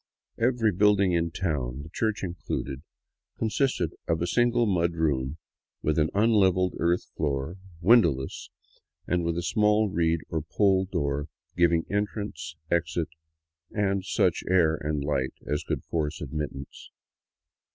Every building in town, the church included, consisted of 'a single mud room with an unleveled earth floor, windowless, and with a small reed or pole door giving en trance, exit, and such air and light as could force admittance.